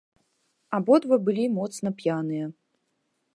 Абодва былі моцна п'яныя.